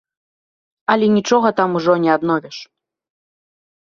Але нічога там ужо не адновіш.